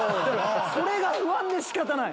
それが不安で仕方ない。